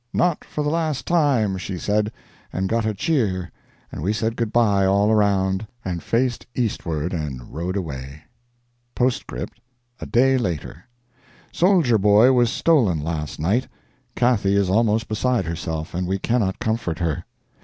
"Not for the last time," she said, and got a cheer, and we said good bye all around, and faced eastward and rode away. Postscript. A Day Later. Soldier Boy was stolen last night. Cathy is almost beside herself, and we cannot comfort her.